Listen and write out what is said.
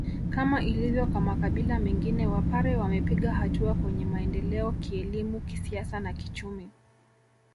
Kama ilivyo kwa makabila mengine wapare wamepiga hatua kwenye maendeleo kielimu kisiasa na kichumi